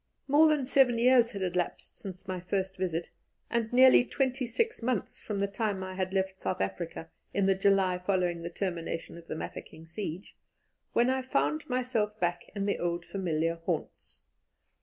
More than seven years had elapsed since my first visit, and nearly twenty six months from the time I had left South Africa in the July following the termination of the Mafeking siege, when I found myself back in the old familiar haunts.